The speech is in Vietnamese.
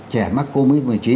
trẻ mắc covid một mươi chín